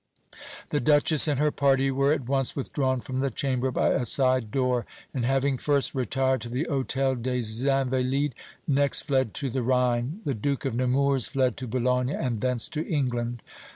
The Duchess and her party were at once withdrawn from the Chamber by a side door, and having first retired to the Hôtel des Invalides, next fled to the Rhine; the Duke of Nemours fled to Boulogne and thence to England.